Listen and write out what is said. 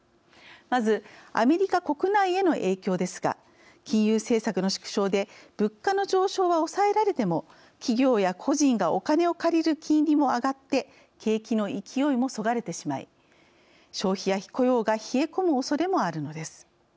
まずアメリカ国内への影響ですが金融政策の縮小で物価の上昇は抑えられても企業や個人がお金を借りる金利も上がって景気の勢いもそがれてしまい消費や雇用が冷え込むおそれもあるのです。